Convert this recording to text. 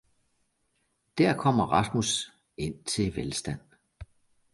Der kommer Rasmus ind til velstand!